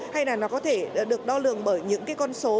hay là nó có thể được đo lường bởi những cái con số